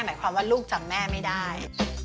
หมายความว่าลูกจำแม่ไม่ได้